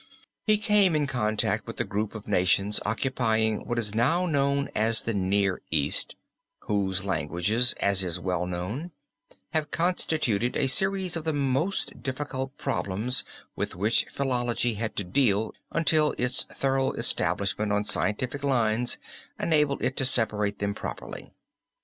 He came in contact with the group of nations occupying what is now known as the Near East, whose languages, as is well known, have constituted a series of the most difficult problems with which philology had to deal until its thorough establishment on scientific lines enabled it to separate them properly.